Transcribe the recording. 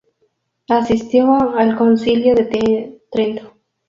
Asistió al Concilio de Trento.